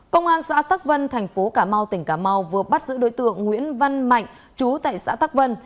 công an xã tắc vân thành phố cà mau tỉnh cà mau vừa bắt giữ đối tượng nguyễn văn mạnh chú tại xã tắc vân